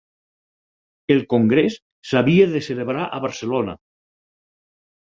El congrés s'havia de celebrar a Barcelona.